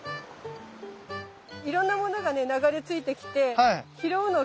いろんなものがね流れ着いてきて拾うの結構楽しいのよ。